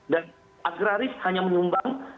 dan agraris hanya menyumbang